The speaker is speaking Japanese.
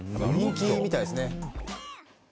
人気みたいですね。